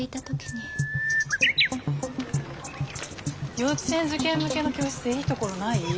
幼稚園受験向けの教室でいいところない？